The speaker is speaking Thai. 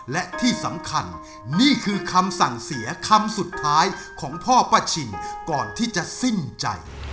และที่สำคัญนี่คือคำสั่งเสียคำสุดท้ายของพ่อป้าฉี่ก่อนที่จะสิ้นใจ